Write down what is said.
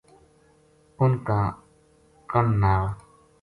ان کا کن نال